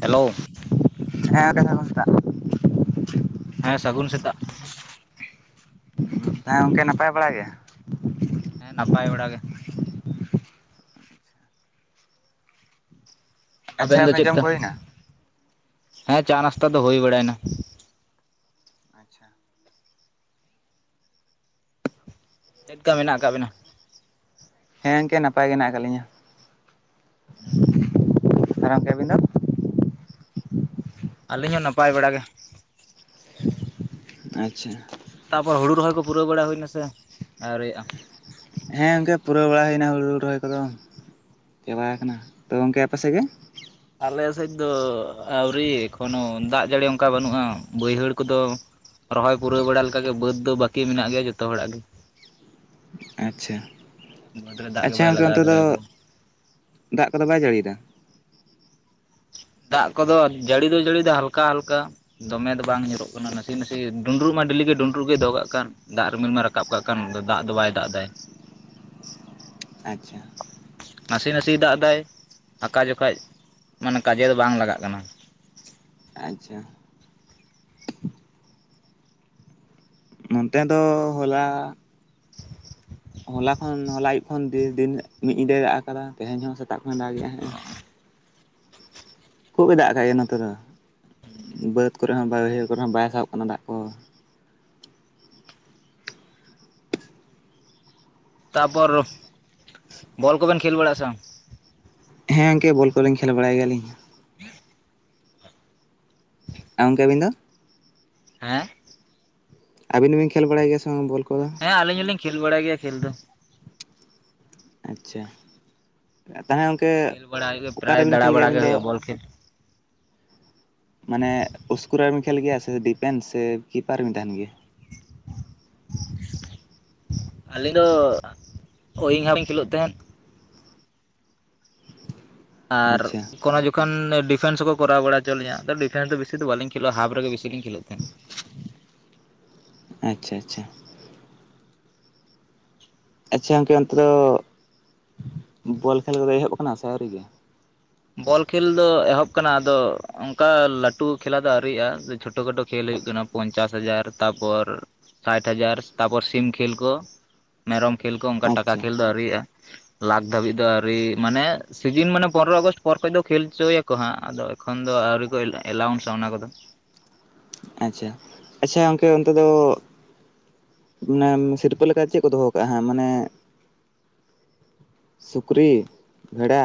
Hello. ᱦᱮᱸ [unintelligible] ᱦᱮᱸ ᱥᱟᱹᱜᱩᱱ ᱥᱮᱛᱟᱜ᱾ ᱦᱮᱸ ᱜᱚᱢᱠᱮ ᱱᱟᱯᱟᱭ ᱵᱟᱲᱟ ᱜᱮ? ᱦᱮᱸ ᱱᱟᱯᱟᱭ ᱵᱟᱲᱟ ᱜᱮ᱾ ᱟᱪᱪᱷᱟ ᱟᱵᱮᱱ ᱫᱚ ᱜᱚᱝᱠᱮ ᱪᱮᱫ ᱡᱚᱢ ᱠᱟ ᱠᱚ ᱦᱩᱭᱱᱟ ᱦᱮᱸ ᱪᱟ ᱱᱟᱥᱛᱟ ᱫᱚ ᱦᱳᱭ ᱵᱟᱲᱟᱭᱱᱟ᱾ ᱟᱪᱪᱷᱟ᱾ ᱪᱮᱫ ᱠᱟ ᱢᱮᱱᱟᱜ ᱟᱠᱟᱫ ᱵᱮᱱᱟ? ᱦᱮᱸ ᱜᱚᱝᱠᱮ ᱱᱟᱯᱟᱭ ᱜᱮ ᱦᱮᱱᱟᱜ ᱟᱠᱟᱫ ᱞᱤᱧᱟᱹ᱾ ᱟᱨ ᱜᱚᱢᱠᱮ ᱟᱹᱵᱤᱱ ᱫᱚ? ᱟᱹᱞᱤᱧ ᱦᱚᱸ ᱱᱟᱯᱟᱭ ᱵᱟᱲᱟ ᱜᱮ᱾ ᱟᱪᱪᱷᱟ᱾ ᱛᱟᱯᱚᱨ ᱦᱩᱲᱩ ᱨᱚᱦᱚᱭ ᱠᱚ ᱯᱩᱨᱟᱹᱣ ᱵᱟᱲᱟ ᱦᱩᱭᱱᱟ ᱥᱮ ᱟᱣᱨᱤᱭᱟᱜᱼᱟ? ᱦᱮᱸ ᱜᱚᱝᱠᱮ ᱯᱩᱨᱟᱹᱣ ᱵᱟᱲᱟ ᱦᱩᱭᱮᱱᱟ ᱦᱩᱲᱩ ᱨᱚᱦᱚᱭ ᱠᱚᱫᱚ᱾ ᱪᱟᱵᱟ ᱟᱠᱟᱱᱟ ᱛᱚ ᱜᱚᱢᱠᱮ ᱟᱯᱮ ᱥᱮᱜ ᱜᱮ? ᱟᱞᱮ ᱥᱮᱫ ᱫᱚ ᱟᱹᱣᱨᱤ ᱮᱠᱷᱚᱱᱚ ᱫᱟᱜ ᱡᱟᱹᱲᱤ ᱚᱱᱠᱟ ᱵᱟᱹᱱᱩᱜᱼᱟ ᱵᱟᱹᱭᱦᱟᱹᱲ ᱠᱚᱫᱚ ᱨᱚᱦᱚᱭ ᱯᱩᱨᱟᱹᱣ ᱵᱟᱲᱟ ᱞᱮᱠᱟ ᱜᱮ ᱵᱟᱹᱫᱽ ᱫᱚ ᱵᱟᱹᱠᱤ ᱢᱮᱱᱟᱜ ᱜᱮᱭᱟ ᱡᱚᱛᱚ ᱦᱚᱲᱟᱜ ᱜᱮ ᱟᱪᱪᱷᱟ ᱵᱟᱹᱫᱽ ᱨᱮ ᱫᱟᱜ ᱜᱮ ᱟᱪᱪᱷᱟ ᱵᱟᱭ ᱜᱚᱝᱠᱮ ᱞᱟᱜᱟᱣ ᱚᱱᱛᱮ ᱫᱚ ᱫᱟᱲᱮ ᱟᱠᱟᱫᱟ ᱫᱟᱜ ᱠᱚᱫᱚ ᱵᱟᱭ ᱡᱟᱹᱲᱤᱭᱫᱟ? ᱫᱟᱜ ᱠᱚᱫᱚ ᱡᱟᱹᱲᱤ ᱫᱚ ᱡᱟᱹᱲᱤ ᱫᱟ ᱦᱟᱞᱠᱟ ᱦᱟᱞᱠᱟ ᱫᱚᱢᱮ ᱫᱚ ᱵᱟᱝ ᱧᱩᱨᱩᱜ ᱠᱟᱱᱟ ᱱᱟᱥᱮ ᱱᱟᱥᱮ ᱰᱩᱸᱰᱨᱩᱜ ᱢᱟ ᱰᱮᱞᱤ ᱜᱮ ᱰᱩᱸᱰᱨᱩᱜ ᱜᱮ ᱫᱚᱦᱚ ᱠᱟᱜ ᱠᱟᱱ ᱫᱟᱜ ᱨᱤᱢᱤᱞ ᱢᱟ ᱨᱟᱠᱟᱵ ᱠᱟᱜ ᱠᱟᱱ ᱫᱟᱜ ᱫᱚ ᱵᱟᱭ ᱫᱟᱜ ᱮᱫᱟᱭ ᱾ ᱟᱪᱪᱷᱟ᱾ ᱱᱟᱥᱮ ᱱᱟᱥᱮᱭ ᱫᱟᱜ ᱮᱫᱟᱭ ᱟᱠᱟ ᱡᱚᱠᱷᱟᱡ ᱢᱟᱱᱮ ᱠᱟᱡᱮ ᱫᱚ ᱵᱟᱝ ᱞᱟᱜᱟᱜ ᱠᱟᱱᱟ᱾ ᱟᱪᱪᱷᱟ᱾ ᱱᱚᱱᱛᱮ ᱫᱚ ᱦᱚᱞᱟ ᱦᱚᱞᱟ ᱠᱷᱚᱱ ᱦᱚᱞᱟ ᱟᱹᱭᱩᱵ ᱠᱷᱚᱱ ᱫᱤᱱ ᱢᱤᱫ ᱧᱤᱫᱟᱹ ᱫᱟᱜ ᱟᱠᱟᱫᱟ ᱛᱮᱦᱮᱧ ᱦᱚᱸ ᱥᱮᱛᱟᱜ ᱠᱷᱚᱱᱮ ᱫᱟᱜᱮᱜᱼᱟ ᱦᱮᱸ ᱠᱷᱩᱵᱮ ᱫᱟᱜ ᱮᱫᱟᱭ ᱱᱚᱛᱮ ᱫᱚ ᱵᱟᱹᱫᱽ ᱠᱚᱨᱮ ᱦᱚᱸ ᱵᱟᱹᱭᱦᱟᱹᱲ ᱠᱚᱨᱮ ᱦᱚᱸ ᱵᱟᱭ ᱥᱟᱦᱚᱵ ᱠᱟᱱᱟ ᱫᱟᱜ ᱠᱚ ᱛᱟᱯᱚᱨ ᱵᱚᱞ ᱠᱚᱵᱮᱱ ᱠᱷᱮᱞ ᱵᱟᱲᱟᱜᱼᱟ ᱥᱮ ᱵᱟᱝ? ᱦᱮᱸ ᱜᱚᱝᱠᱮ ᱵᱚᱞ ᱠᱚᱞᱤᱧ ᱠᱷᱮᱞ ᱵᱟᱲᱟᱭ ᱜᱮᱭᱟᱞᱤᱧ᱾ [unintelligible] ᱮᱸ ᱜᱚᱝᱠᱮ ᱟᱹᱵᱤᱱ ᱫᱚ? ᱦᱮᱸ ᱟᱹᱵᱤᱱ ᱫᱚᱸᱵᱮᱱ ᱠᱷᱮᱞ ᱵᱟᱲᱟᱭ ᱜᱮᱭᱟ ᱥᱮ ᱵᱟᱝ ᱵᱚᱞ ᱠᱚᱫᱚ? ᱦᱮᱸ ᱟᱹᱞᱤᱧ ᱦᱚᱞᱤᱧ ᱠᱷᱮᱞ ᱵᱟᱲᱟᱭ ᱜᱮᱭᱟ ᱠᱷᱮᱞ ᱫᱚ᱾ ᱟᱪᱪᱷᱟ ᱛᱟᱦᱚᱞᱮ ᱜᱚᱝᱠᱮ ᱠᱷᱮᱞ ᱵᱟᱲᱟ ᱦᱩᱭᱩᱜ ᱜᱮᱭᱟ ᱯᱨᱟᱭ ᱚᱠᱟᱨᱮᱵᱤᱱ ᱫᱟᱬᱟ ᱠᱷᱮᱞ ᱜᱮᱭᱟ ᱵᱟᱲᱟ ᱜᱮ ᱟᱹᱵᱤᱱ ᱫᱚ? ᱦᱩᱭᱩᱜᱼᱟ ᱵᱚᱞ ᱠᱷᱮᱞ ᱯᱮᱱ ᱥᱮ ᱠᱤᱯᱟᱨ ᱵᱮᱱ ᱛᱟᱦᱮᱱ ᱜᱮᱭᱟ? ᱟᱹᱞᱤᱧ ᱫᱚ [unintelligible] ᱠᱷᱮᱞᱳᱜ ᱛᱟᱦᱮᱸᱫ᱾ ᱟᱨ ᱟᱪᱪᱷᱟ ᱠᱳᱱᱚ ᱡᱚ ᱠᱷᱚᱱ ᱰᱤᱯᱷᱮᱱᱥ ᱦᱚᱸᱠᱚ ᱠᱚᱨᱟᱣ ᱵᱟᱲᱟ ᱦᱚᱪᱚ ᱞᱤᱧᱟ ᱟᱫᱚ ᱰᱤᱯᱷᱮᱱᱥ ᱫᱚ ᱵᱮᱥᱤ ᱫᱚ ᱵᱟᱹᱞᱤᱧ ᱠᱷᱮᱞᱳᱜ ᱦᱟᱯ ᱨᱮᱜᱮ ᱵᱮᱥᱤ ᱞᱤᱧ ᱠᱷᱮᱞᱳᱜ ᱛᱟᱦᱮᱫ᱾ ᱟᱪᱪᱷᱟ ᱟᱪᱪᱷᱟ᱾ ᱟᱪᱪᱷᱟ ᱜᱚᱝᱠᱮ ᱚᱱᱛᱮ ᱫᱚ ᱵᱚᱞ ᱠᱷᱮᱞ ᱠᱚᱫᱚ ᱮᱦᱚᱵ ᱟᱠᱟᱱᱟ ᱥᱮ ᱟᱹᱣᱨᱤ ᱜᱮ? ᱵᱚᱞ ᱠᱷᱮᱞ ᱫᱚ ᱮᱦᱚᱵ ᱠᱟᱱᱟ ᱟᱫᱚ ᱚᱱᱠᱟ ᱞᱟᱹᱴᱩ ᱠᱷᱮᱞᱟ ᱫᱚ ᱟᱹᱣᱨᱤᱭᱼᱟ ᱪᱷᱳᱴᱳ ᱠᱷᱟᱴᱳ ᱠᱷᱮᱞ ᱦᱩᱭᱩᱜ ᱠᱟᱱᱟ᱾ ᱯᱚᱧᱪᱟᱥ ᱦᱟᱡᱟᱨ ᱛᱟᱨᱯᱚᱨ ᱥᱟᱴᱷ ᱦᱟᱡᱟᱨ ᱛᱟᱨᱯᱚᱨ ᱥᱤᱢ ᱠᱷᱮᱞ ᱠᱚ ᱢᱮᱨᱚᱢ ᱠᱷᱮᱞ ᱠᱚ ᱚᱱᱠᱟ ᱴᱟᱠᱟ ᱟᱪᱪᱷᱟ ᱠᱷᱮᱞ ᱫᱚ ᱤᱭᱼᱟ ᱞᱟᱠᱷ ᱫᱷᱟᱹᱵᱤᱡ ᱫᱚ ᱟᱹᱣᱨᱤ ᱢᱟᱱᱮ ᱥᱤᱡᱤᱱ ᱢᱟᱱᱮ ᱯᱚᱱᱨᱚ ᱟᱜᱚᱥᱴ ᱯᱚᱨ ᱠᱷᱚᱡ ᱫᱚ ᱠᱷᱮᱞ ᱦᱚᱪᱚᱭᱟᱠᱚ ᱦᱟᱸᱜ ᱟᱫᱚ ᱮᱠᱷᱚᱱ ᱫᱚ ᱟᱹᱣᱨᱤ ᱠᱚ ᱮᱞᱟᱣᱩᱱᱥᱟ ᱚᱱᱟ ᱠᱚᱫᱚ ᱟᱪᱪᱷᱟ ᱟᱪᱪᱷᱟ ᱜᱚᱝᱠᱮ ᱚᱱᱛᱮ ᱫᱚ ᱚᱱᱟ ᱥᱤᱨᱯᱟᱹ ᱞᱮᱠᱟ ᱪᱮᱜ ᱠᱚ ᱫᱚᱦᱚ ᱠᱟᱜᱼᱟ ᱢᱟᱱᱮ ᱥᱩᱠᱨᱤ, ᱵᱷᱮᱲᱟ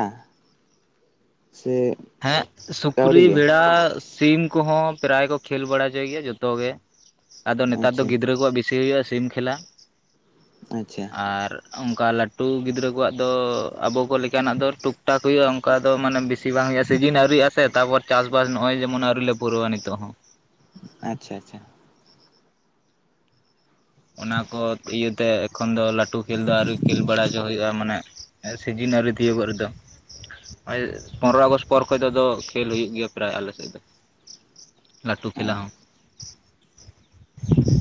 ᱥᱮ ᱦᱮᱸ ᱥᱩᱠᱨᱤ, ᱠᱟᱹᱣᱰᱤ ᱜᱮ? ᱵᱷᱮᱲᱟ, ᱥᱤᱢ ᱠᱚᱦᱚᱸ ᱯᱨᱮᱨᱟᱭ ᱠᱚ ᱠᱷᱮᱞ ᱵᱟᱲᱟ ᱦᱚᱪᱚᱭ ᱜᱮᱭᱟ ᱡᱚᱛᱚ ᱜᱮ᱾ ᱟᱫᱚ ᱱᱮᱛᱟᱨ ᱫᱚ ᱟᱪᱪᱷᱟ ᱜᱤᱫᱽᱨᱟᱹ ᱠᱚᱣᱟᱜ ᱵᱮᱥᱤ ᱦᱳᱭᱳᱜ-ᱟ ᱥᱤᱢ ᱠᱷᱮᱞᱟ᱾ ᱟᱪᱪᱷᱟ᱾ ᱟᱨ ᱚᱱᱠᱟ ᱞᱟᱹᱴᱩ ᱜᱤᱫᱽᱨᱟᱹ ᱠᱚᱣᱟᱜ ᱫᱚ ᱟᱵᱚ ᱠᱚ ᱞᱮᱠᱟᱱᱟᱜ ᱫᱚ ᱴᱩᱠ ᱴᱟᱠ ᱚᱱᱠᱟ ᱫᱚ ᱢᱟᱱᱮ ᱵᱤᱥᱤ ᱵᱟᱝ ᱦᱳᱭᱤᱜ-ᱟ ᱥᱤᱡᱤᱱ ᱟᱹᱣᱨᱤᱭᱟᱜ-ᱟ ᱥᱮ ᱛᱟᱯᱚᱨ ᱪᱟᱥ ᱵᱟᱥ ᱱᱚᱸᱜ-ᱚᱭ ᱡᱮᱢᱚᱱ ᱟᱹᱣᱨᱤ ᱞᱮ ᱯᱩᱨᱟᱹᱣᱟ ᱱᱤᱛᱚᱜ ᱦᱚᱸ᱾ ᱟᱪᱪᱷᱟ, ᱟᱪᱪᱷᱟ᱾ ᱚᱱᱟ ᱠᱚ ᱤᱭᱟᱹᱛᱮ ᱮᱠᱷᱚᱱ ᱫᱚ ᱞᱟᱹᱴᱩ ᱠᱷᱮᱞ ᱫᱚ ᱟᱨᱚ ᱠᱷᱮᱞ ᱵᱟᱲᱟ ᱦᱚᱪᱚ ᱦᱳᱭᱳᱜ-ᱟ ᱢᱟᱱᱮ ᱥᱤᱡᱤᱱ ᱟᱹᱣᱨᱤ ᱛᱤᱭᱳᱜᱳᱜ ᱨᱮᱫᱚ᱾ ᱯᱚᱱᱨᱚ ᱟᱸᱜᱚᱥᱴ ᱯᱚᱨ ᱠᱷᱚᱡ ᱫᱚ ᱟᱫᱚ ᱠᱷᱮᱞ ᱦᱩᱭᱩᱜ ᱜᱮᱭᱟ ᱯᱨᱟᱭ ᱟᱞᱮ ᱥᱮᱫ ᱫᱚ᱾ ᱞᱟᱹᱴᱩ ᱠᱷᱮᱞᱟ ᱦᱚᱸ᱾ [inaudible]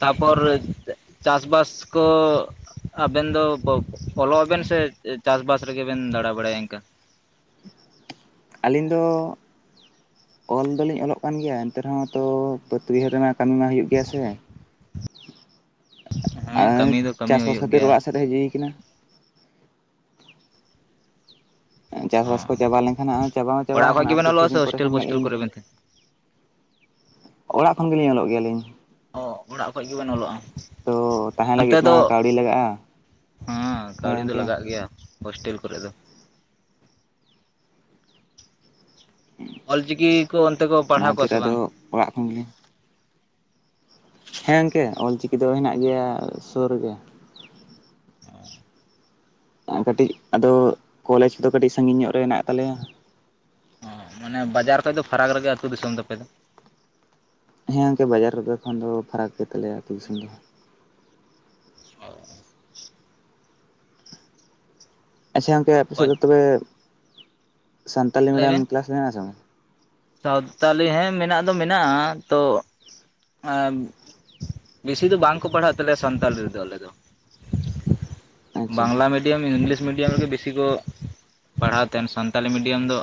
ᱛᱟᱯᱚᱨ ᱪᱟᱥ ᱵᱟᱥ ᱠᱚ ᱟᱵᱮᱱ ᱫᱚ ᱚᱞᱚᱜ ᱟᱵᱮᱱ ᱥᱮ ᱪᱟᱥ ᱵᱟᱥ ᱨᱮᱜᱮ ᱵᱮᱱ ᱫᱟᱲᱟ ᱵᱟᱲᱟᱭᱟ ᱤᱱᱠᱟ? ᱟᱹᱞᱤᱧ ᱫᱚ ᱚᱞ ᱫᱚ ᱞᱤᱧ ᱚᱞᱚᱜ ᱠᱟᱱ ᱜᱮᱭᱟ ᱮᱱᱛᱮ ᱨᱮᱦᱚᱸ ᱵᱟᱹᱛ ᱵᱟᱹᱭᱦᱟᱹᱲ ᱨᱮᱱᱟᱜ ᱠᱟᱹᱢᱤ ᱢᱟ ᱦᱩᱭᱩᱜ ᱜᱮᱭᱟ ᱥᱮ᱾ ᱦᱮᱸ ᱟᱨ ᱠᱟᱹᱢᱤ ᱫᱚ ᱠᱟᱹᱢᱤ ᱪᱟᱥ ᱵᱟᱥ ᱦᱩᱭᱩᱜ ᱠᱷᱟᱹᱛᱤᱨ ᱜᱮᱭᱟ ᱚᱲᱟᱜ ᱥᱮᱫ ᱦᱮᱡ ᱦᱳᱭ ᱠᱟᱱᱟ᱾ ᱪᱟᱥ ᱚ ᱵᱟᱥ ᱠᱚ ᱪᱟᱵᱟ ᱞᱮᱱᱠᱷᱟᱱ ᱪᱟᱵᱟ ᱢᱟ ᱚᱲᱟᱜ ᱪᱟᱵᱟ ᱠᱷᱚᱡ ᱠᱟᱱᱟ᱾ ᱟᱨ ᱜᱮᱵᱮᱱ ᱠᱤᱪᱷᱩ ᱚᱞᱚᱜᱼᱟ ᱥᱮ ᱫᱤᱱ ᱯᱚᱨᱮ ᱦᱳᱥᱴᱮᱞ ᱠᱷᱟᱱ ᱜᱮ ᱯᱳᱥᱴᱮᱞ ᱤᱧ ᱠᱚᱨᱮ ᱵᱮᱱ ᱛᱟᱦᱮᱱᱟ ᱚᱲᱟᱜ ᱠᱷᱚᱱ ᱜᱮ ᱞᱤᱧ ᱚᱞᱚᱜ ᱜᱮᱭᱟ ᱞᱤᱧ᱾ ᱚ ᱚᱲᱟᱜ ᱠᱷᱚᱱ ᱜᱮ ᱵᱮᱱ ᱚᱞᱚᱜ-ᱟ᱾ ᱛᱚ ᱛᱟᱦᱮᱸ ᱚᱱᱛᱮ ᱞᱟᱹᱜᱤᱫ ᱢᱟ ᱫᱚ ᱠᱟᱹᱣᱰᱤ ᱞᱟᱜᱟᱜᱼᱟ ᱦᱮᱸ ᱦᱳᱭ ᱠᱟᱹᱣᱰᱤ ᱫᱚ ᱜᱚᱝᱠᱮ ᱞᱟᱜᱟᱜ ᱜᱮᱭᱟ ᱦᱳᱥᱴᱮᱞ ᱠᱚᱨᱮ ᱫᱚ᱾ ᱚᱞ ᱪᱤᱠᱤ ᱠᱚ ᱚᱱᱛᱮ ᱠᱚ ᱚᱱᱟ ᱯᱟᱲᱦᱟᱣ ᱠᱚᱣᱟ ᱠᱷᱟᱹᱛᱤᱨ ᱥᱮ ᱟᱫᱚ ᱵᱟᱝ? ᱚᱲᱟᱜ ᱠᱷᱚᱱ ᱜᱮᱞᱮ ᱦᱮᱸ ᱜᱚᱝᱠᱮ ᱚᱞ ᱪᱤᱠᱤ ᱫᱚ ᱦᱮᱱᱟᱜ ᱜᱮᱭᱟ ᱥᱳᱨ ᱨᱮᱜᱮ᱾ ᱚ ᱠᱟᱹᱴᱤᱡ ᱟᱫᱚ ᱠᱚᱞᱮᱡᱽ ᱠᱚᱫᱚ ᱠᱟᱹᱴᱤᱡ ᱥᱟᱸᱜᱤᱧ ᱧᱚᱜ ᱨᱮ ᱢᱮᱱᱟᱜ ᱛᱟᱞᱮᱭᱟ᱾ ᱢᱟᱱᱮ ᱵᱟᱡᱟᱨ ᱠᱷᱚᱡ ᱫᱚ ᱯᱷᱟᱨᱟᱠ ᱨᱮᱜᱮ ᱟᱹᱛᱩ ᱫᱤᱥᱚᱢ ᱛᱟᱯᱮ ᱫᱚ᱾ ᱦᱮᱸ ᱜᱚᱝᱠᱮ ᱵᱟᱡᱟᱨ ᱨᱮᱫᱚ ᱠᱷᱚᱱ ᱫᱚ ᱯᱷᱟᱨᱟᱠ ᱜᱮ ᱛᱟᱞᱮᱭᱟ ᱟᱹᱛᱩ ᱫᱤᱥᱚᱢ ᱫᱚ᱾ ᱚ ᱚ᱾ ᱟᱪᱪᱷᱟ ᱜᱚᱝᱠᱮ ᱟᱯᱮ ᱥᱮᱫ ᱫᱚ ᱛᱚᱵᱮ ᱥᱟᱱᱛᱟᱞᱤ ᱢᱤᱰᱤᱭᱟᱢ ᱠᱮᱞᱟᱥ ᱢᱮᱱᱟᱜ-ᱟ ᱥᱮ ᱵᱟᱝ? ᱥᱟᱣᱛᱟᱞᱤ ᱦᱮᱸ ᱢᱮᱱᱟᱜ ᱫᱚ ᱢᱮᱱᱟᱜ-ᱟ ᱛᱚ ᱵᱮᱥᱤ ᱫᱚ ᱵᱟᱝ ᱠᱚ ᱯᱟᱲᱦᱟᱜ ᱛᱟᱞᱮᱭᱟ ᱥᱟᱱᱛᱟᱞᱤ ᱨᱮ ᱫᱚ ᱟᱞᱮ ᱫᱚ᱾ [inaudible] ᱵᱟᱝᱞᱟ ᱢᱤᱰᱤᱭᱟᱢ, ᱤᱝᱞᱤᱥ ᱢᱤᱰᱤᱭᱟᱢ ᱨᱮᱜᱮ ᱵᱤᱥᱤ ᱠᱚ ᱯᱟᱲᱦᱟᱣ ᱛᱟᱦᱮᱱ᱾ᱥᱟᱱᱛᱟᱞᱤ ᱢᱤᱰᱤᱭᱟᱢ ᱫᱚ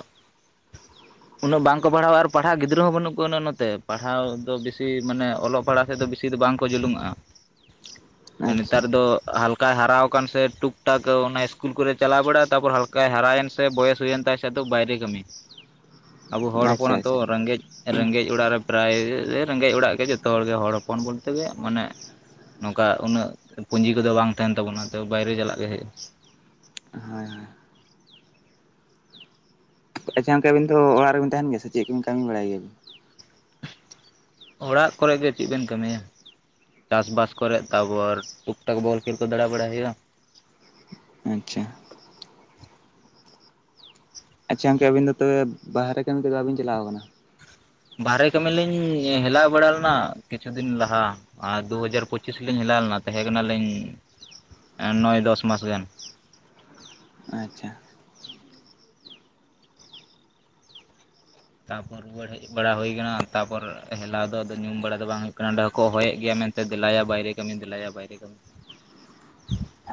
ᱩᱱᱟᱹᱜ ᱵᱟᱝ ᱵᱟ ᱠᱚ ᱯᱟᱲᱦᱟᱣᱟ ᱟᱨ ᱯᱟᱲᱦᱟᱜ ᱜᱤᱫᱽᱨᱟᱹ ᱦᱚᱸ ᱵᱟᱹᱱᱩᱜ ᱠᱚᱣᱟ ᱩᱱᱟᱹᱜ ᱱᱚᱛᱮ᱾ ᱯᱟᱲᱦᱟᱣ ᱫᱚ ᱵᱤᱥᱤ ᱢᱟᱱᱮ ᱚᱞᱚᱜ ᱯᱟᱲᱦᱟᱜ ᱥᱮᱫ ᱫᱚ ᱵᱤᱥᱤ ᱫᱚ ᱵᱟᱝ ᱠᱚ ᱡᱩᱞᱩᱝᱟᱜ-ᱟ᱾ [inaudible] ᱱᱮᱛᱟᱨ ᱫᱚ ᱦᱟᱞ ᱦᱟᱞᱠᱟᱭ ᱦᱟᱨᱟᱣ ᱠᱟᱱ ᱥᱮ ᱴᱩᱠ ᱴᱟᱠ ᱚᱱᱟ ᱤᱥᱠᱩᱞ ᱠᱚᱨᱮᱭ ᱪᱟᱞᱟᱣ ᱵᱟᱲᱟᱜ-ᱟ᱾ ᱛᱟᱯᱚᱨ ᱦᱟᱞᱠᱟᱭ ᱦᱟᱨᱟᱭᱮᱱ ᱥᱮ ᱵᱚᱭᱮᱥ ᱦᱩᱭᱮᱱ ᱛᱟᱭ ᱵᱟ ᱠᱷᱟᱡ ᱫᱚ ᱵᱟᱭᱨᱮ ᱠᱟᱹᱢᱤ᱾ [inaudible] ᱟᱵᱚ ᱦᱚᱲ ᱟᱪᱪᱷᱟ ᱦᱚᱯᱚᱱᱟᱜ ᱛᱚ ᱟᱪᱪᱷᱟ ᱨᱮᱸᱜᱮᱡ, ᱨᱮᱸᱜᱮᱡ ᱚᱲᱟᱜ ᱨᱮ ᱯᱨᱟᱭ ᱨᱮᱸᱜᱮᱡ ᱚᱲᱟᱜ ᱜᱮ ᱡᱚᱛᱚ ᱦᱚᱲ ᱜᱮ ᱦᱚᱲ ᱦᱚᱯᱚᱱ ᱵᱚᱞᱛᱮ ᱜᱮ ᱢᱟᱱᱮ ᱱᱚᱝᱠᱟ ᱩᱱᱟᱹᱜ ᱯᱩᱸᱡᱤ ᱠᱚᱫᱚ ᱵᱟᱝ ᱛᱟᱦᱮᱱ ᱛᱟᱵᱚᱱᱟ ᱛᱚ ᱵᱟᱭᱨᱮ ᱪᱟᱞᱟᱜ ᱜᱮ ᱦᱳᱭᱳᱜᱼᱟ ᱾ ᱦᱳᱭ ᱦᱳᱭ ᱾ ᱟᱪᱪᱷᱟ ᱜᱚᱝᱠᱮ ᱟᱹᱵᱤᱱ ᱛᱚ ᱚᱲᱟᱜ ᱨᱮᱵᱤᱱ ᱛᱟᱦᱮᱱ ᱜᱮᱭᱟ ᱥᱮ ᱪᱮᱫ ᱠᱚᱵᱤᱱ ᱠᱟᱹᱢᱤ ᱵᱟᱲᱟᱭ ᱜᱮᱭᱟ? ᱚᱲᱟᱜ ᱠᱚᱨᱮ ᱜᱮ ᱪᱮᱜ ᱵᱮᱱ ᱠᱟᱹᱢᱤᱭᱟ ᱾ ᱪᱟᱥᱵᱟᱥ ᱠᱚᱨᱮᱜ ᱛᱟᱵᱚᱨ ᱴᱩᱠ ᱴᱟᱠ ᱵᱚᱞ ᱠᱷᱮᱞ ᱠᱚ ᱫᱟᱲᱟ ᱵᱟᱲᱟᱭ ᱦᱳᱭᱳᱜᱼᱟ ᱾ ᱟᱪᱪᱷᱟ ᱾ ᱟᱪᱪᱷᱟ ᱜᱚᱢᱠᱮ ᱟᱵᱤᱱ ᱫᱚ ᱛᱚᱵᱮ ᱵᱟᱦᱨᱮ ᱠᱟᱹᱢᱤ ᱠᱚᱫᱚ ᱵᱟᱵᱤᱱ ᱪᱟᱞᱟᱣ ᱠᱟᱱᱟ? ᱵᱟᱨᱦᱮ ᱠᱟᱹᱢᱤ ᱞᱤᱧ ᱦᱮᱞᱟᱣ ᱵᱟᱲᱟ ᱞᱮᱱᱟ ᱠᱤᱪᱷᱩ ᱫᱤᱱ ᱞᱟᱦᱟ ᱾ ᱟᱨ ᱫᱩ ᱦᱟᱡᱟᱨ ᱯᱚᱸᱪᱤᱥ ᱞᱤᱧ ᱦᱮᱞᱟᱣ ᱞᱮᱱᱟ ᱛᱟᱦᱮᱸ ᱠᱟᱱᱟᱞᱤᱧ ᱱᱚᱭ ᱫᱚᱥ ᱢᱟᱥ ᱜᱟᱱ ᱾ ᱟᱪᱪᱷᱟ ᱾ ᱛᱟᱯᱚᱨ ᱨᱩᱣᱟᱹᱲ ᱦᱮᱡ ᱵᱟᱲᱟ ᱦᱳᱭ ᱠᱟᱱᱟ ᱛᱟᱯᱚᱨ ᱦᱮᱞᱟᱣ ᱫᱚ ᱟᱫᱚ ᱧᱩᱢ ᱵᱟᱲᱟ ᱫᱚ ᱵᱟᱝ ᱦᱳᱭ ᱠᱟᱱᱟ ᱚᱸᱰᱮ ᱦᱚᱸᱠᱚ ᱦᱚᱦᱚᱭᱮᱫ ᱜᱮᱭᱟ ᱢᱮᱱ ᱫᱮᱞᱟᱭᱟ ᱵᱟᱭᱨᱮ ᱠᱟᱹᱢᱤ ᱫᱮᱞᱟ ᱭᱟ ᱵᱟᱭᱨᱮ ᱠᱟᱹᱢᱤ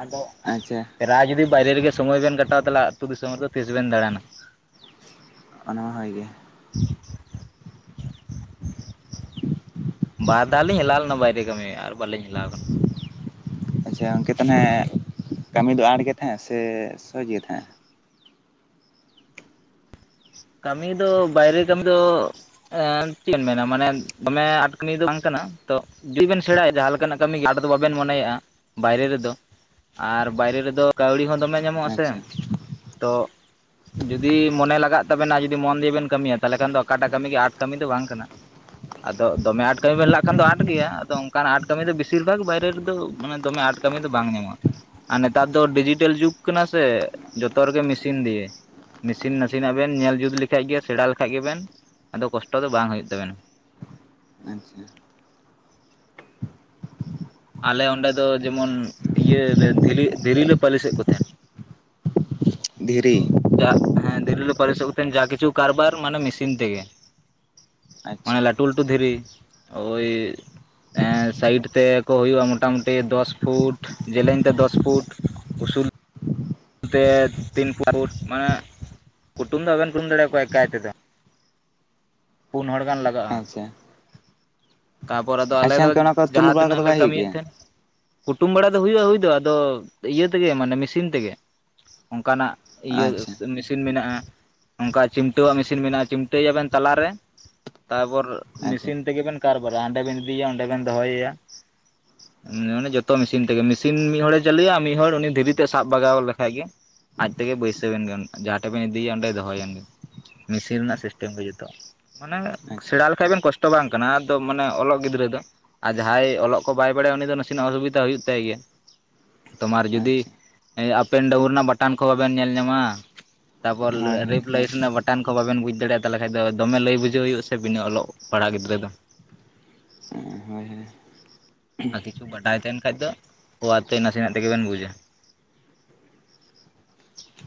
ᱟᱫᱚ ᱟᱪᱪᱷᱟ ᱾ ᱯᱨᱟᱭ ᱡᱩᱫᱤ ᱵᱟᱭᱨᱮ ᱨᱮᱜᱮ ᱥᱚᱢᱚᱭ ᱵᱮᱱ ᱠᱟᱴᱟᱣ ᱛᱟᱦᱚᱞᱮ ᱟᱹᱛᱩ ᱫᱤᱥᱚᱢ ᱨᱮᱫᱚ ᱛᱤᱥ ᱵᱮᱱ ᱫᱟᱬᱟᱱᱟ ᱾ ᱚᱱᱟᱦᱚ ᱦᱳᱭ ᱜᱮ ᱾ [inaudible] ᱵᱟᱨ ᱫᱷᱟᱣ ᱞᱤᱧ ᱦᱮᱞᱟᱣ ᱞᱮᱱᱟ ᱵᱟᱭᱨᱮ ᱠᱟᱹᱢᱤ ᱟᱨ ᱵᱟᱹᱞᱤᱧ ᱦᱮᱞᱟᱣ ᱠᱟᱱᱟ ᱾ ᱟᱪᱪᱷᱟ ᱜᱚᱢᱠᱮ ᱛᱟ ᱱᱮᱦᱮᱜ ᱠᱟᱹᱢᱤ ᱫᱚ ᱟᱸᱴ ᱜᱮ ᱛᱟᱦᱮᱸᱜ ᱥᱮ ᱥᱚᱡᱽ ᱜᱮ ᱛᱟᱦᱮᱸᱜ? ᱠᱟᱹᱢᱤ ᱫᱚ ᱵᱟᱭᱨᱮ ᱠᱟᱹᱢᱤ ᱫᱚ ᱪᱮᱫ ᱮᱢ ᱢᱮᱱᱟ ᱢᱟᱱᱮ ᱫᱚᱢᱮ ᱟᱴᱠᱟᱱᱤ ᱫᱚ ᱵᱟᱝ ᱠᱟᱱᱟ ᱛᱚ ᱡᱩᱫᱤ ᱵᱮᱱ ᱥᱮᱬᱟᱭᱟ ᱡᱟᱦᱟᱸ ᱞᱮᱠᱟᱱᱟᱜ ᱠᱟᱹᱢᱤ ᱜᱮ ᱟᱴ ᱵᱟᱵᱮᱱ ᱢᱚᱱᱮᱭᱟᱜᱼᱟ ᱵᱟᱭᱨᱮ ᱨᱮᱫᱚ ᱟᱨ ᱵᱟᱭᱨᱮ ᱨᱮᱫᱚ ᱠᱟᱹᱣᱲᱤ ᱦᱚᱸ ᱫᱚᱢᱮ ᱧᱟᱢᱚᱜᱼᱟ ᱥᱮ ᱟᱪᱪᱷᱟ ᱛᱚ ᱡᱩᱫᱤ ᱢᱚᱱᱮ ᱞᱟᱜᱟᱜ ᱛᱚᱵᱮ ᱚᱱᱟ ᱡᱩᱫᱤ ᱢᱚᱱ ᱫᱤᱭᱮᱵᱤᱱ ᱠᱟᱹᱢᱤᱭᱟ ᱛᱟᱦᱞᱮ ᱠᱷᱟᱱ ᱫᱚ ᱚᱠᱟᱴᱟᱜ ᱠᱟᱹᱢᱤ ᱜᱮ ᱟᱴ ᱠᱟᱹᱢᱤ ᱫᱚ ᱵᱟᱝ ᱠᱟᱱᱟ ᱾ ᱟᱫᱚ ᱫᱚᱢᱮ ᱟᱴ ᱠᱟᱹᱢᱤ ᱵᱮᱱ ᱞᱟᱜ ᱠᱷᱟᱱ ᱫᱚ ᱟᱴ ᱜᱮᱭᱟ ᱟᱫᱚ ᱚᱱᱠᱟᱱᱟᱜ ᱟᱴ ᱠᱟᱹᱢᱤ ᱫᱚ ᱵᱮᱥᱤᱨ ᱵᱷᱟᱜᱽ ᱵᱟᱭᱨᱮ ᱨᱮᱫᱚ ᱢᱟᱱᱮ ᱫᱚᱢᱮ ᱟᱴ ᱠᱟᱹᱢᱤ ᱫᱚ ᱵᱟᱝ ᱧᱟᱢᱚᱜᱼᱟ ᱟᱨ ᱱᱮᱛᱟᱨ ᱫᱚ ᱰᱤᱡᱤᱴᱮᱞ ᱡᱩᱜᱽ ᱠᱟᱱᱟ ᱥᱮ ᱡᱚᱛᱚ ᱨᱮᱜᱮ ᱢᱮᱥᱤᱱ ᱫᱤᱭᱮ ᱾ ᱢᱮᱥᱤᱱ ᱱᱟᱥᱮᱱᱟᱜ ᱵᱮᱱ ᱧᱮᱞ ᱡᱩᱛ ᱞᱮᱠᱷᱟᱡ ᱜᱮ ᱥᱮᱬᱟ ᱞᱮᱠᱷᱟᱡ ᱜᱮᱵᱮᱱ ᱟᱫᱚ ᱠᱚᱥᱴᱚ ᱫᱚ ᱵᱟᱝ ᱦᱳᱭᱳᱜ ᱛᱟᱵᱮᱱᱟ ᱾ ᱟᱪᱪᱷᱟ ᱾ ᱟᱞᱮ ᱚᱸᱰᱮ ᱫᱚ ᱡᱮᱢᱚᱱ ᱤᱭᱟᱹᱨ ᱫᱷᱤᱞᱤ ᱫᱷᱤᱨᱤᱞᱮ ᱯᱟᱹᱞᱤᱥᱮᱫ ᱠᱚ ᱛᱟᱦᱮᱱ ᱾ ᱛᱚᱜ ᱫᱷᱤᱨᱤ ᱡᱟᱜ ᱦᱮᱸ ᱫᱷᱤᱨᱤᱞᱮ ᱯᱟᱹᱞᱮᱥᱮᱜ ᱠᱚ ᱛᱟᱸᱦᱮᱜ ᱡᱟ ᱠᱤᱪᱷᱩ ᱠᱟᱨᱵᱟᱨ ᱢᱟᱱᱮ ᱢᱤᱥᱤᱱ ᱛᱮᱜᱮ ᱾ ᱢᱟᱱᱮ ᱟᱪᱪᱷᱟ ᱞᱟᱹᱴᱩ ᱞᱟᱹᱴᱩ ᱫᱷᱤᱨᱤ ᱳᱭ ᱮᱸ ᱥᱟᱭᱤᱰ ᱛᱮ ᱠᱚ ᱦᱳᱭᱳᱜᱼᱟ ᱢᱚᱴᱟᱢᱩᱴᱤ ᱫᱚᱥ ᱯᱷᱩᱴ ᱡᱮᱞᱮᱝ ᱛᱮ ᱫᱚᱥ ᱯᱷᱩᱴ ᱩᱥᱩᱞ ᱱᱚᱛᱮ ᱛᱤᱱ ᱯᱩᱴ ᱢᱟᱱᱮ ᱠᱩᱴᱩᱢ ᱫᱚ ᱵᱟᱵᱮᱱ ᱠᱩᱴᱩᱢ ᱫᱟᱲᱮᱭᱟᱠᱚᱣᱟ ᱮᱠᱟᱭ ᱛᱮᱫᱚ ᱾ ᱯᱩᱱ ᱦᱚᱲ ᱜᱟᱱ ᱞᱟᱜᱟᱜᱼᱟ ᱾ ᱟᱪᱪᱷᱟ ᱛᱟᱯᱚᱨ ᱟᱫᱚ ᱟᱞᱮ ᱟᱪᱪᱷᱟ ᱫᱚ ᱜᱚᱝᱠᱮ ᱚᱱᱟ ᱠᱚ ᱛᱩᱞ ᱡᱟᱦᱟᱸ ᱵᱟᱲᱟ ᱛᱤᱱᱟᱹᱜ ᱠᱚᱫᱚ ᱞᱮ ᱵᱟᱭ ᱦᱩᱭᱩᱜ ᱠᱟᱹᱢᱤᱭᱮᱫ ᱜᱮᱭᱟ? ᱛᱟᱦᱮᱸᱫ ᱾ ᱠᱩᱴᱩᱢ ᱵᱟᱲᱟ ᱫᱚ ᱦᱩᱭᱩᱜᱼᱟ ᱦᱩᱭ ᱫᱚ ᱟᱫᱚ ᱤᱭᱟᱹ ᱛᱮᱜᱮ ᱢᱟᱱᱮ ᱢᱤᱥᱤᱱ ᱛᱮᱜᱮ ᱾ ᱚᱱᱠᱟᱱᱟᱜ ᱤᱭᱟᱹ ᱟᱪᱪᱷᱟ ᱢᱤᱥᱤᱱ ᱢᱮᱱᱟᱜᱼᱟ ᱾ ᱚᱱᱠᱟ ᱪᱤᱢᱴᱟᱹᱣᱟᱜ ᱢᱤᱥᱤᱱ ᱢᱮᱱᱟᱜᱼᱟ ᱪᱤᱢᱴᱟᱹᱭᱟ ᱵᱮᱱ ᱛᱟᱞᱟᱨᱮ ᱛᱟᱯᱚᱨ ᱟᱪᱪᱷᱟ ᱢᱤᱥᱤᱱ ᱛᱮᱜᱮ ᱵᱮᱱ ᱠᱟᱨ ᱵᱟᱨᱟ ᱦᱟᱸᱰᱮ ᱵᱤᱱ ᱤᱫᱤᱭᱟ ᱚᱸᱰᱮ ᱵᱮᱱ ᱫᱚᱦᱚᱭ ᱭᱟ ᱾ ᱚᱱᱮ ᱡᱷᱚᱛᱚ ᱢᱤᱥᱤᱱ ᱛᱮᱜᱮ ᱢᱤᱥᱤᱱ ᱢᱤᱫ ᱦᱚᱲᱮ ᱪᱟᱹᱞᱩᱭᱟ ᱢᱤᱫ ᱦᱚᱲ ᱩᱱᱤ ᱫᱷᱤᱨᱤ ᱛᱮ ᱥᱟᱵ ᱵᱟᱜᱟᱣᱮᱞᱮ ᱮᱠᱷᱟᱡ ᱜᱮ ᱟᱡ ᱛᱮᱜᱮ ᱵᱟᱹᱭᱥᱟᱹ ᱮᱱ ᱜᱮ ᱡᱟᱦᱟᱸ ᱴᱷᱮᱜ ᱵᱮᱱ ᱤᱫᱤᱭᱟ ᱚᱸᱰᱮᱭ ᱫᱚᱦᱚᱭᱮᱱ ᱜᱮ ᱾ ᱢᱮᱥᱤᱱ ᱨᱮᱱᱟᱜ ᱥᱤᱥᱴᱮᱢ ᱜᱮ ᱡᱷᱚᱛᱚ ᱾ ᱢᱟᱱᱮ ᱟᱪᱪᱷᱟ ᱥᱮᱬᱟ ᱞᱮᱠᱷᱟᱡ ᱵᱤᱱ ᱠᱚᱥᱴᱚ ᱵᱟᱝ ᱠᱟᱱᱟ ᱟᱫᱚ ᱢᱟᱱᱮ ᱚᱞᱚᱜ ᱜᱤᱫᱽᱨᱟᱹ ᱫᱚ ᱾ ᱟᱨ ᱡᱟᱦᱟᱸᱭ ᱚᱞᱚᱜ ᱠᱚ ᱵᱟᱭ ᱵᱟᱲᱟᱭᱟ ᱩᱱᱤ ᱫᱚ ᱱᱟᱥᱮᱱᱟᱜ ᱚᱥᱩᱵᱤᱛᱟ ᱦᱩᱭᱩᱜ ᱛᱟᱭ ᱜᱮᱭᱟ ᱾ ᱛᱳᱢᱟᱨ ᱡᱩᱫᱤ ᱟᱪᱪᱷᱟ ᱟᱯᱮᱱ ᱰᱟᱹᱣᱩᱱ ᱨᱮᱱᱟᱜ ᱵᱟᱴᱟᱱ ᱠᱚ ᱵᱟᱵᱮᱱ ᱧᱮᱞ ᱧᱟᱢᱟ? ᱛᱟᱯᱚᱨ ᱦᱳᱭ ᱦᱳᱭ ᱨᱮᱯ ᱞᱟᱹᱭᱥ ᱨᱮᱱᱟᱜ ᱵᱟᱴᱟᱱ ᱠᱚ ᱵᱟᱵᱮᱱ ᱵᱩᱡᱽ ᱫᱟᱲᱮᱭᱟᱜ-ᱟ ᱛᱟᱦᱚᱞᱮ ᱠᱷᱟᱡ ᱫᱚ ᱫᱚᱢᱮ ᱞᱟᱹᱭ ᱵᱩᱡᱷᱟᱹᱣ ᱦᱩᱭᱩᱜ-ᱟ ᱥᱮ ᱵᱤᱱᱟᱹ ᱚᱞᱚᱜ ᱯᱟᱲᱦᱟ ᱜᱤᱫᱽᱨᱟᱹ ᱫᱚ ᱚᱸᱻ ᱦᱳᱭ ᱦᱳᱭ ᱟᱨ ᱠᱤᱪᱷᱩ ᱵᱟᱰᱟᱭ ᱛᱟᱦᱮᱱ ᱠᱷᱟᱡ ᱫᱚ ᱠᱩ ᱟᱨ ᱠᱤ ᱱᱟᱥᱮᱱᱟᱜ ᱛᱮᱜᱮ ᱵᱮᱱ ᱵᱩᱡᱟ᱾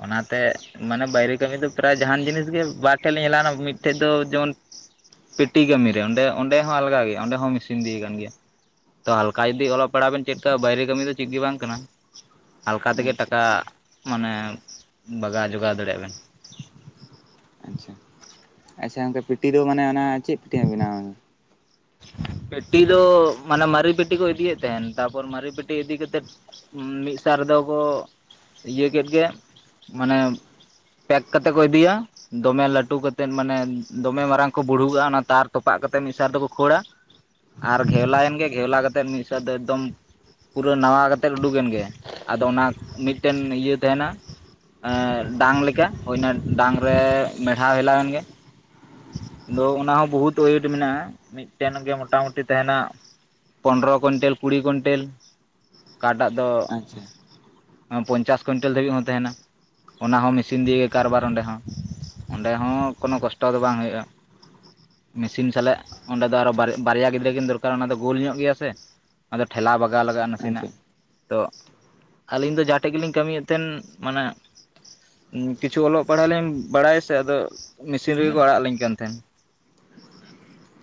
ᱚᱱᱟᱛᱮ ᱢᱟᱱᱮ ᱵᱟᱭᱨᱮ ᱠᱟᱹᱢᱤ ᱫᱚ ᱯᱨᱟᱭ ᱡᱟᱦᱟᱱ ᱡᱤᱱᱤᱥ ᱜᱮ ᱵᱟᱨ ᱴᱷᱮᱡ ᱞᱤᱧ ᱦᱮᱞᱟᱣᱱᱟ ᱢᱤᱫ ᱴᱷᱮᱡ ᱫᱚ ᱡᱮᱢᱚᱱ- ᱯᱤᱴᱤ ᱠᱟᱹᱢᱤ ᱨᱮ ᱚᱸᱰᱮ ᱚᱸᱰᱮ ᱦᱚᱸ ᱟᱞᱜᱟ ᱜᱮᱭᱟ ᱚᱸᱰᱮ ᱦᱚᱸ ᱢᱤᱥᱤᱱ ᱫᱤᱭᱮ ᱠᱟᱱ ᱜᱮᱭᱟ᱾ ᱛᱚ ᱦᱟᱞᱠᱟ ᱡᱩᱫᱤ ᱚᱞᱚᱜ ᱯᱟᱲᱦᱟᱜ ᱵᱮᱱ ᱪᱮᱫ ᱠᱟᱜ-ᱟ ᱵᱟᱭᱨᱮ ᱠᱟᱹᱢᱤ ᱫᱚ ᱪᱮᱫ ᱜᱮ ᱵᱟᱝ ᱠᱟᱱᱟ᱾ ᱟᱞᱠᱟ ᱛᱮᱜᱮ ᱟᱪᱪᱷᱟ ᱴᱟᱠᱟ ᱢᱟᱱᱮ ᱵᱟᱜᱟᱣ ᱡᱚᱜᱟᱣ ᱫᱟᱲᱮᱭᱟᱜ-ᱟ ᱵᱮᱱ᱾ ᱟᱪᱷᱟ ᱟᱪᱷᱟ ᱜᱚᱝᱠᱮ ᱯᱤᱴᱤ ᱫᱚ ᱢᱟᱱᱮ ᱚᱱᱟ ᱪᱮᱫ ᱴᱤᱢ ᱵᱮᱱᱟᱣᱟ? ᱯᱮᱴᱤ ᱫᱚ ᱢᱟᱱᱮ ᱢᱟᱨᱤ ᱯᱤᱴᱤ ᱠᱚ ᱤᱫᱤᱭᱮᱫ ᱛᱟᱦᱮᱱ ᱛᱟᱨᱯᱚᱨ ᱢᱟᱨᱤ ᱯᱤᱴᱤ ᱤᱫᱤ ᱠᱟᱛᱮᱫ ᱢᱤᱫ ᱥᱟᱣ ᱨᱮᱫᱚ ᱠᱚ ᱤᱭᱟᱹ ᱠᱮᱫ ᱜᱮ ᱢᱟᱱᱮ ᱯᱮᱠ ᱠᱟᱛᱮ ᱠᱚ ᱤᱫᱤᱭᱟ ᱾ ᱫᱚᱢᱮ ᱞᱟᱹᱴᱩ ᱠᱟᱛᱮᱫ ᱢᱟᱱᱮ ᱫᱚᱢᱮ ᱢᱟᱨᱟᱝ ᱠᱚ ᱵᱩᱲᱦᱩᱣᱟᱜ-ᱟ ᱚᱱᱟ ᱛᱟᱨ ᱛᱚᱯᱟᱜ ᱠᱟᱛᱮᱫ ᱢᱤᱫ ᱥᱟᱨ ᱨᱮᱫᱚ ᱠᱩ ᱠᱷᱳᱲᱟ ᱟᱨ ᱜᱷᱮᱣᱞᱟᱮᱱ ᱜᱮ ᱜᱷᱮᱣᱞᱟ ᱠᱟᱛᱮᱫ ᱢᱤᱫ ᱥᱮᱫ ᱫᱚ ᱮᱠᱫᱚᱢ ᱯᱩᱨᱟᱹ ᱱᱟᱣᱟ ᱠᱟᱛᱮᱫ ᱩᱰᱩᱠ ᱮᱱ ᱜᱮ ᱟᱫᱚ ᱚᱱᱟ ᱢᱤᱫᱴᱮᱱ ᱤᱭᱟᱹ ᱛᱟᱦᱮᱱᱟ ᱾ ᱮᱸ ᱰᱟᱝ ᱞᱮᱠᱟ ᱦᱩᱭᱱᱟ ᱰᱟᱝ ᱨᱮ ᱢᱮᱲᱦᱟᱣ ᱦᱮᱞᱟᱣ ᱮᱱᱜᱮ ᱾ ᱫᱳ ᱚᱱᱟ ᱦᱚᱸ ᱵᱚᱦᱩᱛ ᱳᱭᱮᱴ ᱢᱮᱱᱟᱜ-ᱟ ᱾ ᱢᱤᱫᱴᱮᱱ ᱜᱮ ᱢᱚᱴᱟᱢᱩᱴᱤ ᱛᱟᱦᱮᱱᱟ ᱯᱚᱱᱨᱚ ᱠᱩᱱᱴᱮᱞ ᱠᱩᱲᱤ ᱠᱩᱱᱴᱮᱞ ᱾ ᱠᱟ ᱴᱟᱜ ᱫᱚ ᱟᱪᱪᱷᱟ ᱯᱚᱧᱪᱟᱥ ᱠᱩᱱᱴᱮᱞ ᱫᱷᱟᱹᱵᱤᱡ ᱦᱚᱸ ᱛᱟᱦᱮᱱᱟ ᱾ ᱚᱱᱟ ᱦᱚᱸ ᱢᱮᱥᱤᱱ ᱫᱤᱭᱮᱜᱮ ᱠᱟᱨᱵᱟᱨ ᱚᱸᱰᱮ ᱦᱚᱸ ᱚᱸᱰᱮ ᱦᱚᱸ ᱠᱳᱱᱳ ᱠᱚᱥᱴᱚ ᱫᱚ ᱵᱟᱝ ᱦᱳᱭᱳᱜ-ᱟ ᱾ ᱢᱮᱥᱤᱱ ᱥᱟᱞᱟᱜ ᱚᱸᱰᱮ ᱫᱚ ᱟᱨᱚ ᱵᱟᱨ ᱵᱟᱨᱭᱟ ᱜᱤᱫᱽᱨᱟᱹ ᱠᱤᱱ ᱫᱚᱨᱠᱟᱨ ᱚᱱᱟ ᱫᱚ ᱜᱳᱞ ᱧᱚᱜ ᱜᱮᱭᱟ ᱥᱮ ᱟᱫᱚ ᱴᱷᱮᱞᱟᱣ ᱵᱟᱜᱟᱣ ᱞᱟᱜᱟᱜ-ᱟ ᱟᱪᱪᱷᱟ ᱱᱟᱸᱥᱮᱱᱟᱜ ᱾ ᱛᱚᱜ ᱟᱹᱞᱤᱧ ᱫᱚ ᱡᱟᱦᱟᱸ ᱴᱷᱮᱡ ᱜᱮᱞᱤᱧ ᱠᱟᱹᱢᱤᱭᱮᱫ ᱛᱟᱦᱮᱱ ᱢᱟᱱᱮ, ᱠᱤᱪᱷᱩ ᱚᱞᱚᱜ ᱯᱟᱲᱦᱟᱜ ᱞᱤᱧ ᱵᱟᱲᱟᱭᱟ ᱥᱮ ᱟᱫᱚ ᱢᱤᱥᱤᱱ ᱨᱮᱜᱮ ᱠᱚ ᱟᱲᱟᱜ ᱟᱞᱤᱧ ᱠᱟᱱ ᱛᱟᱦᱮᱸᱫ᱾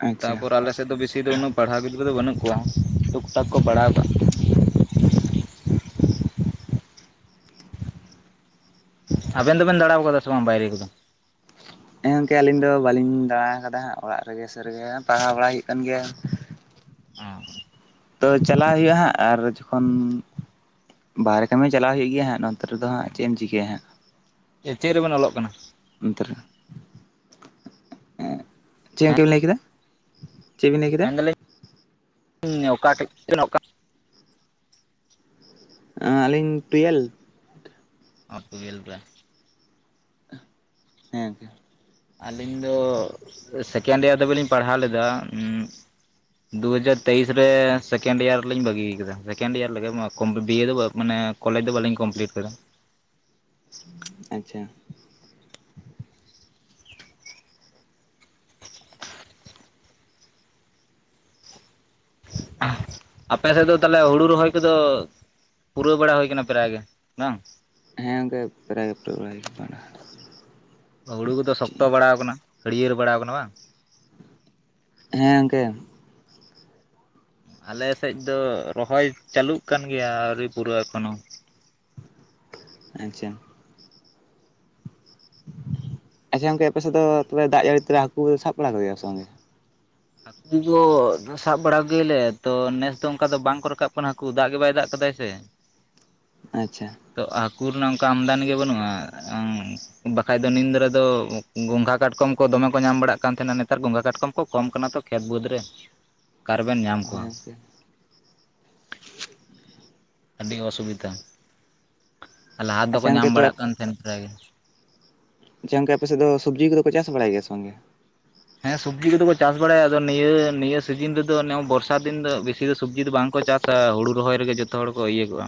ᱟᱪᱪᱷᱟ ᱛᱟᱯᱚᱨ ᱟᱞᱮ ᱥᱮᱫ ᱫᱚ ᱵᱮᱥᱤ ᱫᱚ ᱩᱱᱟᱹᱜ ᱯᱟᱲᱦᱟᱣ ᱜᱤᱫᱽᱨᱟᱹ ᱫᱚ ᱵᱟᱹᱱᱩᱜ ᱠᱚᱣᱟ ᱴᱩᱠ ᱴᱟᱠ ᱠᱚ ᱯᱟᱲᱦᱟᱣ ᱠᱟᱜ-ᱟ᱾ ᱟᱵᱮᱱ ᱫᱚ ᱵᱮᱱ ᱫᱟᱬᱟᱣ ᱠᱟᱫᱟ ᱥᱮ ᱵᱟᱝ ᱵᱟᱭᱨᱮ ᱠᱚ ᱫᱚ? ᱦᱮᱸ ᱜᱚᱝᱠᱮ ᱟᱹᱞᱤᱧ ᱫᱚ ᱵᱟᱹᱞᱤᱧ ᱫᱟᱬᱟ ᱠᱟᱫᱟ ᱚᱲᱟᱜ ᱨᱮᱜᱮ ᱥᱟᱹᱨᱤ ᱜᱮ ᱯᱟᱲᱦᱟᱣ ᱵᱟᱲᱟᱭ ᱦᱩᱭᱩᱜ ᱠᱟᱱ ᱜᱮᱭᱟ ᱾ ᱚᱸᱻ ᱛᱚ ᱪᱟᱞᱟᱣ ᱦᱳᱭᱳᱜ-ᱟ ᱦᱟᱸᱜ ᱟᱨ ᱡᱚᱠᱷᱚᱱ ᱵᱟᱨᱦᱮ ᱠᱟᱹᱢᱤ ᱪᱟᱞᱟᱣ ᱦᱩᱭᱩᱜ ᱜᱮᱭᱟ ᱦᱟᱸᱜ ᱱᱚᱛᱮ ᱨᱮᱫᱚ ᱦᱟᱸᱜ ᱪᱮᱫ ᱮᱢ ᱪᱤᱠᱟᱹᱭᱟ ᱦᱟᱸᱜ? ᱪᱮᱫ ᱨᱮᱵᱮᱱ ᱚᱞᱚᱜ ᱠᱟᱱᱟ? [inaudible] ᱪᱮᱫ ᱜᱚᱢᱠᱮᱢ ᱞᱟᱹᱭ ᱠᱮᱫᱟ? ᱪᱮᱫ ᱵᱤᱱ ᱞᱟᱹᱭ ᱠᱮᱫᱟ ᱢᱮᱱ ᱫᱟᱹᱞᱤᱧ [unintelligible] ᱚᱠᱟ ᱩᱸ ᱴᱩᱭᱮᱞᱵᱷ ᱾ ᱚᱸ ᱴᱩᱭᱮᱞᱯᱷ ᱨᱮ ᱾ ᱦᱮᱸ ᱜᱚᱝᱠᱟ᱾ ᱟᱹᱞᱤᱧ ᱫᱚ ᱥᱮᱠᱮᱱᱰ ᱤᱭᱟᱨ ᱫᱷᱟᱹᱵᱤᱡ ᱞᱤᱧ ᱯᱟᱲᱦᱟᱣ ᱞᱮᱫᱟ ᱩᱸ ᱾ ᱫᱩᱦᱟᱡᱟᱨ ᱛᱮᱭᱤᱥ ᱨᱮ ᱥᱮᱠᱮᱱᱰ ᱰᱤᱭᱟᱨ ᱨᱮᱞᱤᱧ ᱵᱟᱹᱜᱤᱭ ᱠᱟᱫᱟ ᱥᱮᱠᱮᱱᱰ ᱰᱤᱭᱟᱨ ᱞᱮᱜᱮ ᱢᱟ ᱠᱚᱢ ᱵᱤ ᱵᱟᱹᱫᱤᱭᱟᱹ ᱫᱚ ᱵᱟᱝ ᱢᱟᱱᱮ ᱠᱚᱞᱮᱡᱽ ᱫᱚ ᱵᱟᱹᱞᱤᱧ ᱠᱚᱢᱯᱞᱤᱴ ᱠᱟᱫᱟ ᱾ ᱟᱪᱷᱟ᱾ ᱟᱯᱮ ᱥᱮᱫ ᱫᱚ ᱛᱟᱦᱚᱞᱮ ᱦᱩᱲᱩ ᱨᱚᱦᱚᱭ ᱠᱚᱫᱚ ᱯᱩᱨᱟᱹᱣ ᱵᱟᱲᱟ ᱦᱳᱭ ᱠᱟᱱᱟ ᱯᱨᱟᱭ ᱜᱮ ᱵᱟᱝ᱾ ᱦᱮᱸ ᱜᱚᱝᱠᱮ ᱯᱨᱟᱭ ᱜᱮ ᱯᱩᱨᱟᱹᱣ ᱟᱠᱟᱱᱟ ᱾ [unintelligible] ᱦᱩᱲᱩ ᱠᱚᱫᱚ ᱥᱚᱠᱛᱚ ᱵᱟᱲᱟᱣ ᱟᱠᱟᱱᱟ ᱦᱟᱹᱲᱭᱟᱹᱲ ᱵᱟᱲᱟᱣ ᱟᱠᱟᱱᱟ ᱵᱟᱝ? ᱦᱮᱸ ᱜᱚᱝᱠᱮ᱾ ᱟᱞᱮ ᱥᱮᱡ ᱫᱚ ᱨᱚᱦᱚᱭ ᱪᱟᱹᱞᱩᱜ ᱠᱟᱱ ᱜᱮᱭᱟ ᱟᱹᱣᱨᱤ ᱯᱩᱨᱟᱹᱜ-ᱟ ᱮᱠᱷᱚᱱ ᱦᱚᱸ᱾ ᱟᱪᱪᱷᱟ᱾ ᱟᱪᱪᱷᱟ ᱜᱚᱝᱠᱮ ᱟᱯᱮ ᱥᱮᱫ ᱫᱚ ᱛᱚᱵᱮ ᱫᱟᱜ ᱡᱟᱹᱲᱤ ᱛᱮ ᱦᱟᱹᱠᱩ ᱥᱟᱵ ᱵᱟᱲᱟ ᱠᱚ ᱜᱮᱭᱟ ᱥᱮ ᱵᱟᱝ? ᱦᱟᱹᱠᱩ ᱫᱚ ᱫᱟᱜ ᱥᱟᱵ ᱵᱟᱲᱟᱣ ᱠᱚᱜᱮᱭᱟᱞᱮ ᱛᱚ ᱱᱮᱥ ᱫᱚ ᱚᱱᱠᱟ ᱫᱚ ᱵᱟᱝ ᱠᱚ ᱨᱟᱠᱟᱵ ᱠᱟᱱᱟ ᱦᱟᱠᱩ ᱫᱟᱜ ᱜᱮ ᱵᱟᱭ ᱫᱟᱜ ᱠᱟᱫᱟᱭ ᱥᱮ ᱾ [inaudible] ᱟᱪᱪᱷᱟ ᱾ ᱛᱚ ᱦᱟᱹᱠᱩ ᱨᱮᱱᱟᱜ ᱚᱱᱠᱟ ᱟᱢᱫᱟᱱᱤ ᱜᱮ ᱵᱟᱹᱱᱩᱜ-ᱟ ᱟᱹᱝ ᱵᱟᱠᱷᱟᱡ ᱫᱚ ᱱᱤᱫᱟᱹᱨ ᱫᱚ ᱜᱚᱸᱜᱷᱟ ᱠᱟᱴᱠᱚᱢ ᱠᱚ ᱫᱚᱢᱮ ᱠᱚ ᱧᱟᱢ ᱵᱟᱲᱟᱜ ᱠᱟᱱ ᱛᱟᱦᱮᱱᱟ ᱱᱮᱛᱟᱨ ᱜᱚᱸᱜᱷᱟ ᱠᱟᱴᱠᱚᱢ ᱠᱚ ᱠᱚᱢ ᱠᱟᱱᱟ ᱛᱚ ᱠᱷᱮᱛ ᱵᱟᱹᱫᱽ ᱨᱮ ᱚᱠᱟᱨᱮ ᱵᱤᱱ ᱧᱟᱢ ᱦᱳᱭ ᱠᱚᱣᱟ ᱾ ᱜᱚᱝᱠᱮ ᱟᱹᱰᱤ ᱚᱥᱩᱵᱤᱫᱷᱟ ᱾ [inaudible] ᱞᱟᱦᱟ ᱛᱮ ᱟᱪᱪᱷᱟ ᱫᱚᱠᱚ ᱜᱚᱝᱠᱮ ᱧᱟᱢ ᱛᱚ ᱵᱟᱲᱟᱜ ᱠᱟᱱ ᱛᱟᱦᱮᱱ ᱯᱷᱟᱨᱟᱭ ᱜᱮ ᱾ ᱡᱮᱱᱚᱱᱠᱟ ᱟᱯᱮᱥᱮᱫ ᱫᱚ ᱥᱚᱵᱡᱤ ᱠᱚᱫᱚ ᱠᱚ ᱪᱟᱥ ᱵᱟᱲᱟᱭ ᱜᱮᱭᱟ ᱥᱮ ᱵᱟᱝᱜᱮ? ᱦᱮᱸ ᱥᱚᱵᱡᱤ ᱠᱚᱫᱚ ᱠᱚ ᱪᱟᱥ ᱵᱟᱲᱟᱭᱟ ᱟᱫᱚ ᱱᱤᱭᱟᱹ ᱱᱤᱭᱟᱹ ᱥᱤᱡᱤᱱ ᱨᱮᱫᱚ ᱵᱚᱨᱥᱟ ᱫᱤᱱ ᱫᱚ ᱵᱤᱥᱤ ᱫᱚ ᱥᱚᱵᱡᱤ ᱫᱚ ᱵᱟᱝᱠᱚ ᱪᱟᱥ ᱟ ᱦᱩᱲᱩ ᱨᱚᱦᱚᱭ ᱨᱮᱜᱮ ᱡᱚᱛᱚ ᱦᱚᱲ ᱠᱚ ᱤᱭᱟᱹ ᱠᱚᱜ-ᱟ ᱾